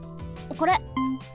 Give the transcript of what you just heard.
これ。